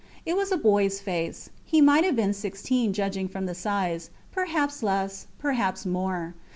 It was a boys face. He might have been sixteen, judging from the size perhaps less, perhaps more.